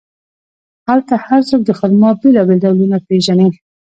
هلته هر څوک د خرما بیلابیل ډولونه پېژني.